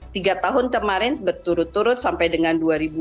tiga tahun kemarin berturut turut sampai dengan dua ribu dua puluh